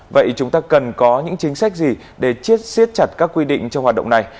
vậy chúng ta cần có những chính sách gì để chiết siết chặt các quy định trong hoạt động này